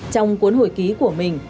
trong cuốn hồi kết thúc